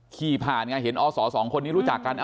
ขี่ผ่านไงเห็นอศสองคนนี้รู้จักกัน